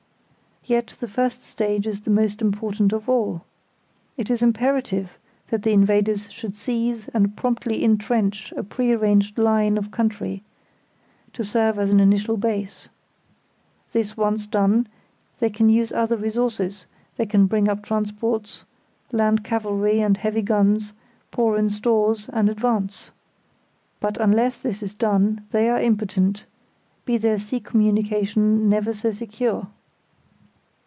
Yet the first stage is the most important of all. It is imperative that the invaders should seize and promptly intrench a pre arranged line of country, to serve as an initial base. This once done, they can use other resources; they can bring up transports, land cavalry and heavy guns, pour in stores, and advance. But unless this is done, they are impotent, be their sea communications never so secure.